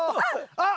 あっ！